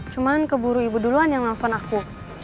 cuma keburu ibu duluan yang nelfon aku